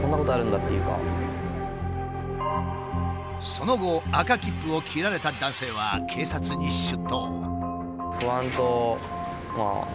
その後赤切符を切られた男性は警察に出頭。